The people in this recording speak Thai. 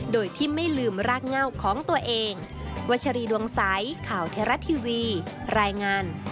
โดยที่ไม่ลืมรากเง่าของตัวเอง